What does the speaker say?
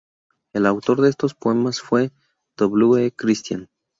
El autor de estos poemas fue W. E. Christian.